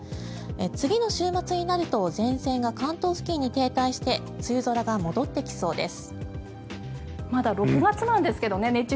次の週末になると前線が関東付近に停滞して梅雨空が戻ってきそうです。